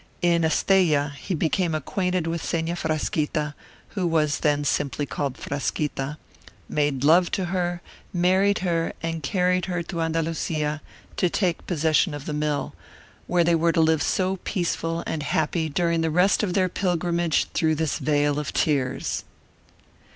In Estella he became acquainted with Seña Frasquita, who was then simply called Frasquita; made love to her, married her, and carried her to Andalusia to take possession of the mill, where they were to live so peaceful and happy during the rest of their pilgrimage through this vale of tears.